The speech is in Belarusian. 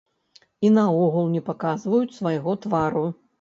І наогул не паказваюць свайго твару.